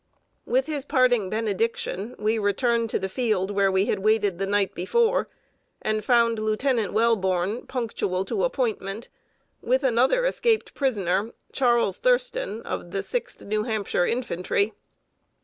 With his parting benediction, we returned to the field where we had waited the night before, and found Lieutenant Welborn, punctual to appointment, with another escaped prisoner, Charles Thurston, of the Sixth New Hampshire Infantry.